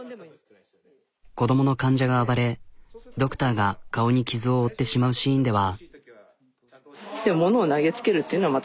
子供の患者が暴れドクターが顔に傷を負ってしまうシーンでは。